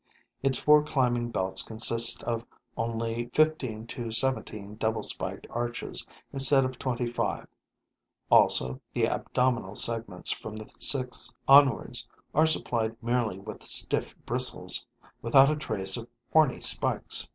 Its four climbing belts consist of only fifteen to seventeen double spiked arches, instead of twenty five; also, the abdominal segments, from the sixth onwards, are supplied merely with stiff bristles, without a trace of horny spikes.